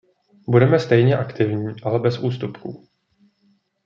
Budeme stejně aktivní, ale bez ústupků.